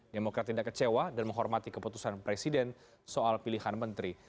demokrat tidak kecewa dan menghormati keputusan presiden soal pilihan menteri